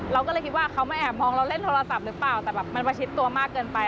เราก็เลยคิดว่าเขามาแอบมองเราเล่นโทรศัพท์หรือเปล่าแต่แบบมันประชิดตัวมากเกินไป